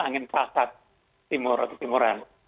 angin pasat timur atau timuran